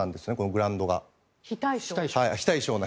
グラウンドが。